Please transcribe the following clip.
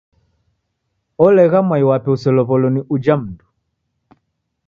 Olegha mwai wape uselow'olo ni uja mndu.